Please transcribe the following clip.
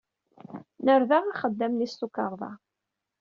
Nerda axeddam-nni s tukerḍa.